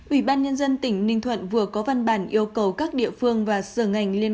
ủy ban nhân dân tỉnh ninh thuận vừa có văn bản yêu cầu các địa phương và sở ngành liên